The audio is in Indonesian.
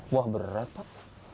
wah berat pak